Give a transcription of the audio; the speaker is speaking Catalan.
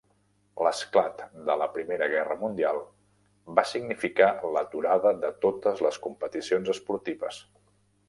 L'esclat de la Primera Guerra Mundial va significar l'aturada de totes les competicions esportives.